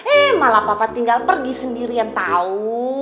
eh malah papa tinggal pergi sendirian tahu